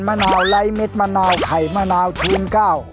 มะนาวไร้เม็ดมะนาวไข่มะนาวชูนเก้า